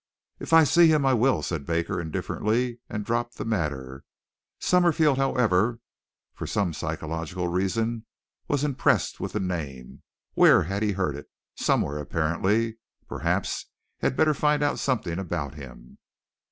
"If I see him I will," said Baker indifferently and dropped the matter. Summerfield, however, for some psychological reason was impressed with the name. Where had he heard it? Somewhere apparently. Perhaps he had better find out something about him.